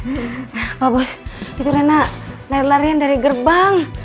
pak bos cucu rena lari larian dari gerbang